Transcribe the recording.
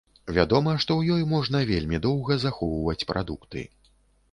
Вядома, што ў ёй можна вельмі доўга захоўваць прадукты.